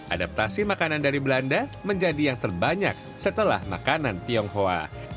adaptasi makanan dari belanda menjadi yang terbanyak setelah makanan tionghoa